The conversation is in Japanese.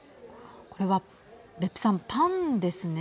これは別府さん、パンですね。